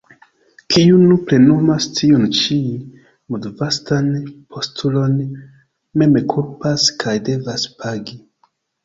Kiu ne plenumas tiun ĉi mondvastan postulon, mem kulpas kaj devas pagi.